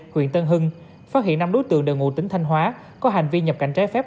huyện tân hưng phát hiện năm đối tượng đều ngụ tính thanh hóa có hành vi nhập cảnh trái phép